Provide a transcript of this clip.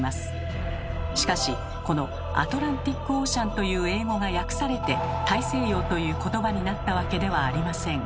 しかしこの「アトランティック・オーシャン」という英語が訳されて「大西洋」という言葉になったわけではありません。